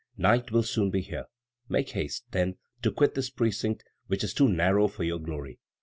Night will soon be here. Make haste, then, to quit this precinct, which is too narrow for your glory.